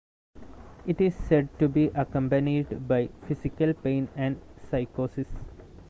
It is said to be accompanied by physical pain and psychosis.